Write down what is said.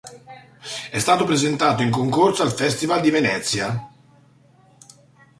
È stato presentato in concorso al Festival di Venezia.